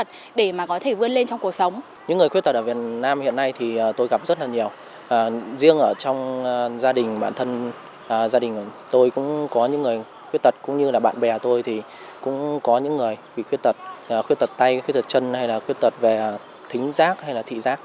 rất là nhiều riêng ở trong gia đình bạn thân gia đình của tôi cũng có những người khuyết tật cũng như là bạn bè tôi thì cũng có những người bị khuyết tật khuyết tật tay khuyết tật chân hay là khuyết tật về thính giác hay là thị giác